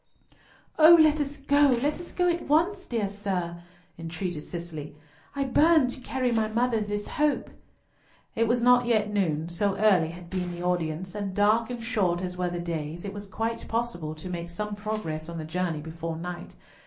"Oh, let us go! let us go at once, dear sir," entreated Cicely. "I burn to carry my mother this hope." It was not yet noon, so early had been the audience, and dark and short as were the days, it was quite possible to make some progress on the journey before night.